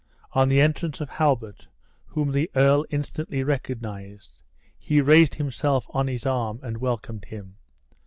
On the entrance of Halbert, whom the earl instantly recognized, he raised himself on his arm, and welcomed him.